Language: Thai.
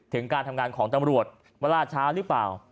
ถึงการทำงานของตำรวจว่าล่าช้าหรือเปล่า